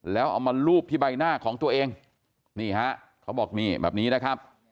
แล้วเอามาลูบที่ใบหน้าของตัวเองนี่ฮะเขาบอกนี่แบบนี้นะครับ